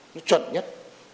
nó chuẩn nhất